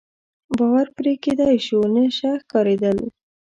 باور پرې کېدای شو، نشه ښکارېدل.